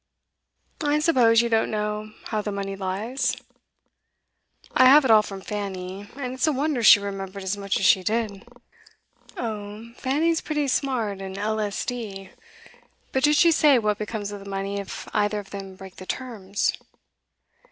I suppose you don't know how the money lies?' 'I have it all from Fanny, and it's a wonder she remembered as much as she did.' 'Oh, Fanny's pretty smart in L. s. d. But did she say what becomes of the money if either of them break the terms?